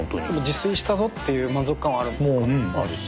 自炊したぞっていう満足感はあるんですか？